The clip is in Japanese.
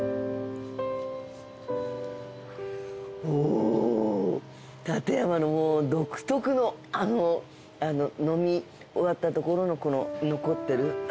お立山のもう独特の飲み終わったところのこの残ってる。